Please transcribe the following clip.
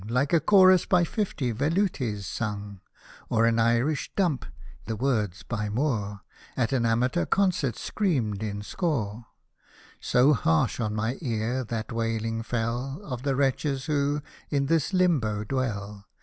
Like a chorus by fifty Vellutis sung ; Or an Irish Dump ("the words by Moore") At an amateur concert screamed in score ; So harsh on my ear that wailing fell Of the wretches who in this Limbo dwell